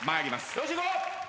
よしいこう！